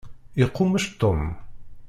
Iqummec Tom.